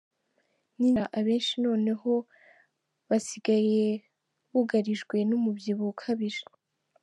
n’inzara abenshi noneho basigaye bugarijwe n’umubyibuho ukabije.